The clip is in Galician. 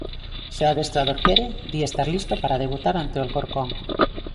Se o adestrador quere, di estar listo para debutar ante o Alcorcón.